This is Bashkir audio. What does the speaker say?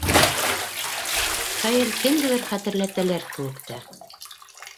- Хәйер, кемделер хәтерләтәләр кеүек тә...